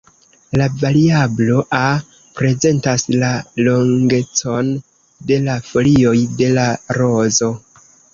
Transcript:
La variablo "a" prezentas la longecon de la folioj de la rozo.